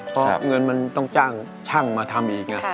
เพราะเงินมันต้องจ้างช่างมาทำอีก